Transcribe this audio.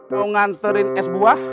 mau nganterin es buah